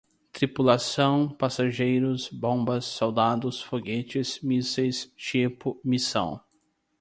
Tripulação, passageiros, bombas, soldados, foguetes, mísseis, tipo, missão